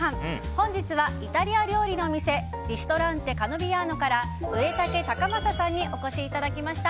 本日はイタリア料理のお店リストランテカノビアーノから植竹隆政さんにお越しいただきました。